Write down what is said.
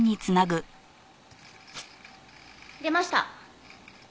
出ました。